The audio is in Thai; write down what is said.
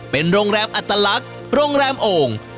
เป็นโรงแรมอัตลักษณ์โรงแรมโอ่ง